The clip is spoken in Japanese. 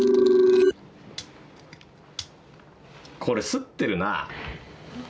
これ擦ってるな。